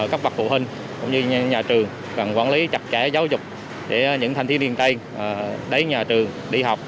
các bậc phụ huynh cũng như nhà trường cần quản lý chặt chẽ giáo dục để những thanh thiếu niên tây đến nhà trường đi học